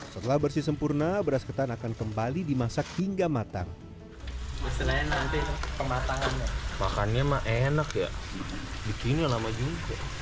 setelah bersih sempurna beras ketan akan kembali dimasak hingga matang